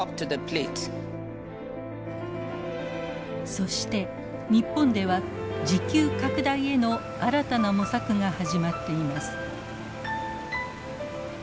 そして日本では自給拡大への新たな模索が始まっています。